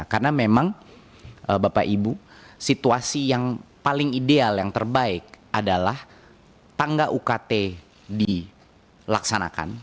karena memang bapak ibu situasi yang paling ideal yang terbaik adalah tangga ukt dilaksanakan